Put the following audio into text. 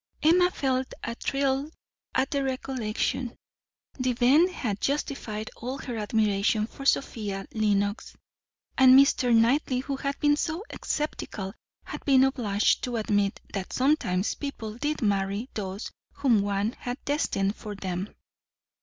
Emma felt a thrill at the recollection. The event had justified all her admiration for Sophia Lennox, and Mr. Knightley, who had been so sceptical, had been obliged to admit that sometimes people did marry those whom one had destined for them.